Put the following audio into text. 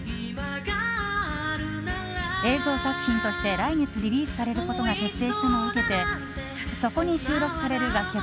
映像作品として来月リリースされることが決定したのを受けてそこに収録される楽曲